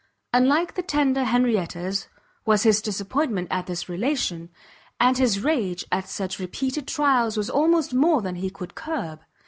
Unlike the tender Henrietta's was his disappointment at this relation, and his rage at such repeated trials was almost more than he could curb.